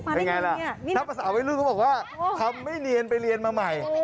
ไม่ง่ายนักภาษาเวลื่อเขาบอกว่าทำไม่เนียนไปเรียนมาใหม่